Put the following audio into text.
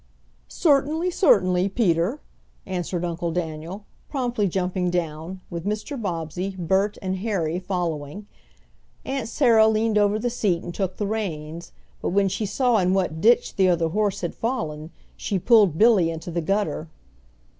"Certainly, certainly, Peter," answered Uncle Daniel, promptly jumping down, with Mr. Bobbsey, Bert, and Harry following. Aunt Sarah leaned over the seat and took the reins, but when she saw in what ditch the other horse had fallen she pulled Billy into the gutter.